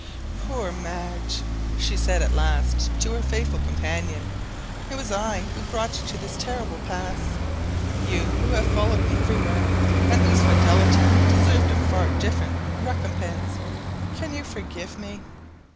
"Poor Madge!" she said at last to her faithful companion; "it was I who brought you to this terrible pass—you who have followed me everywhere, and whose fidelity deserved a far different recompense! Can you forgive me?"